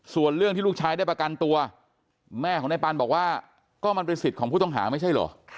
ส่วนเรื่องที่ลูกชายได้ประกันตัวแม่ของนายปันบอกว่าก็มันเป็นสิทธิ์ของผู้ต้องหาไม่ใช่เหรอ